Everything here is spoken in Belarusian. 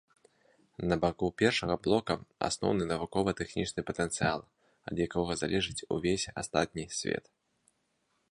На баку першага блока асноўны навукова-тэхнічны патэнцыял, ад якога залежыць увесь астатні свет.